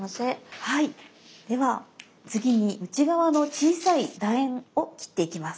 では次に内側の小さいだ円を切っていきます。